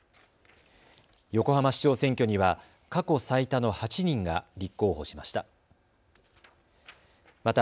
横浜市長選挙には過去最多の８人が立候補しました。